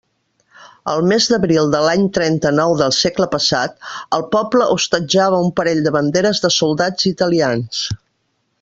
El mes d'abril de l'any trenta-nou del segle passat, el poble hostatjava un parell de banderes de soldats italians.